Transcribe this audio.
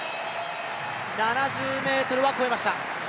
７０ｍは越えました。